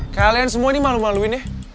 kalian semua ini malu maluinnya